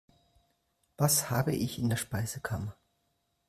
Was habe ich in der Speisekammer?